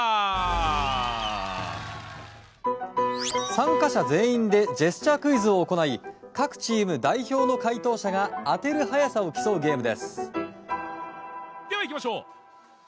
参加者全員でジェスチャークイズを行い各チーム代表の解答者が当てる速さを競うゲームです。